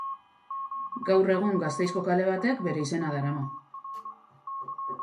Gaur egun Gasteizko kale batek bere izena darama.